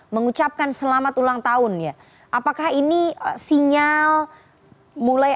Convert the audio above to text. mengucapkan selamat ulang tahun ya apakah ini sinyal mulai